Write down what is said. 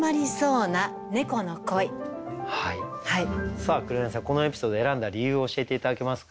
さあ紅さんこのエピソード選んだ理由を教えて頂けますか？